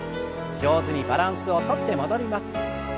上手にバランスをとって戻ります。